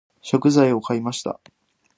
食材を買いました。